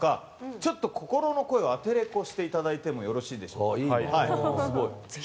ちょっと心の声をアテレコしていただいてもよろしいでしょうか。